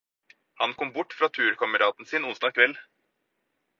Han kom bort fra turkameraten sin onsdag kveld.